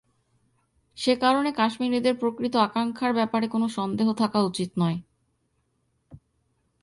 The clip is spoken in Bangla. সে কারণে কাশ্মীরিদের প্রকৃত আকাঙ্ক্ষার ব্যাপারে কোনো সন্দেহ থাকা উচিত নয়।